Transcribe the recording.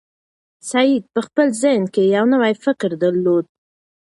سعید په خپل ذهن کې یو نوی فکر درلود.